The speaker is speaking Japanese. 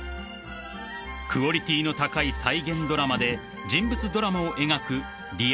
［クオリティーの高い再現ドラマで人物ドラマを描く］